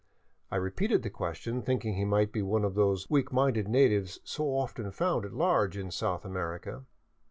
I repeated the question, thinking he might be one of those weak , minded natives so often found at large in South America.